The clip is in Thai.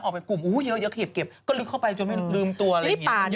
ไปกลุ่มเยอะเก็บก็ลึกเข้าไปจนไม่ลืมตัวอะไรอย่างนี้